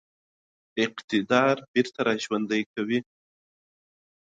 اقتدار بیرته را ژوندی کوي.